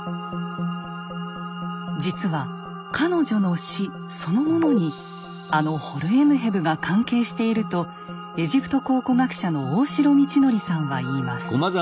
実は彼女の死そのものにあのホルエムヘブが関係しているとエジプト考古学者の大城道則さんは言います。